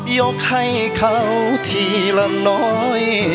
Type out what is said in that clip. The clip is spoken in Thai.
ยกให้เขาทีละน้อย